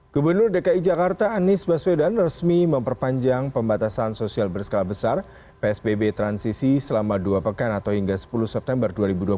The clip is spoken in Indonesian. gubernur dki jakarta anies baswedan resmi memperpanjang pembatasan sosial berskala besar psbb transisi selama dua pekan atau hingga sepuluh september dua ribu dua puluh